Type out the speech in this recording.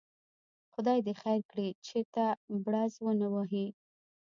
خدای دې خیر کړي، چېرته بړز ونه وهي.